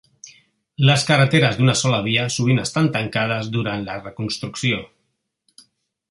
Les carreteres d'una sola via sovint estan tancats durant la reconstrucció.